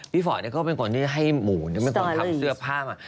พี่ฟอร์ตเนี่ยก็เป็นคนที่ให้หมูเนี่ยเป็นคนทำเสื้อผ้ามา